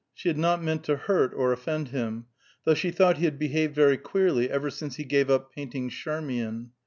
She had not meant to hurt or offend him; though she thought he had behaved very queerly ever since he gave up painting Charmian.